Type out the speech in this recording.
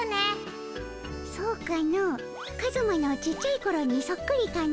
そうかのカズマのちっちゃいころにそっくりかの？